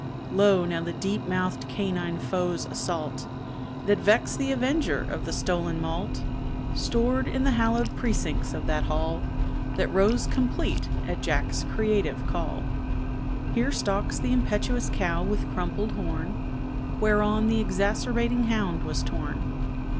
Lo! now the deep mouthed canine foe's assault, That vexed the avenger of the stolen malt, Stored in the hallowed precincts of that hall That rose complete at Jack's creative call. Here stalks the impetuous cow with crumpled horn Whereon the exacerbating hound was torn.